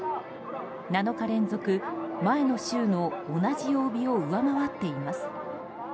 ７日連続、前の週の同じ曜日を上回っています。